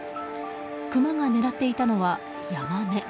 クマが狙っていたのはヤマメ。